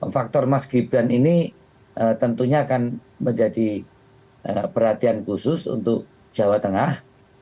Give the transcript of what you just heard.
faktor mas gibran ini tentunya akan menjadi perhatian khusus untuk jawa tengah